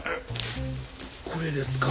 これですか？